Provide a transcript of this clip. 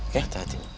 semuanya duluan ya